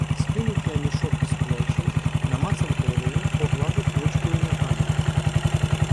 Скинув я мішок із плечей, намацав голову, “погладив” ручкою "Нагана".